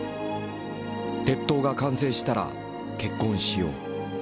「鉄塔が完成したら結婚しよう」。